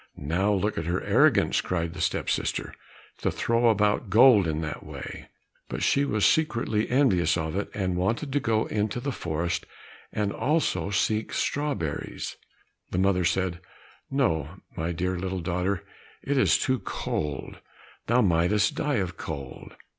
"Now look at her arrogance," cried the step sister, "to throw about gold in that way!" but she was secretly envious of it, and wanted to go into the forest also to seek strawberries. The mother said, "No, my dear little daughter, it is too cold, thou mightest die of cold."